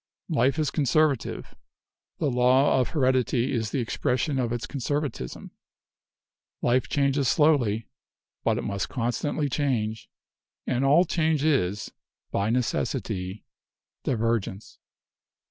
Life is conservative. The law of heredity is the expression of its conservatism. Life changes slowly, but it must constantly change, and all change is, by necessity, divergence.